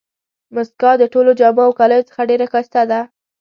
مسکا د ټولو جامو او کالیو څخه ډېره ښایسته ده.